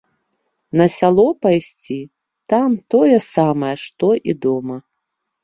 На сяло пайсці, там тое самае, што і дома.